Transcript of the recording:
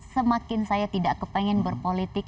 semakin saya tidak kepengen berpolitik